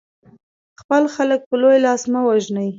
خپل خلک په لوی لاس مه وژنئ.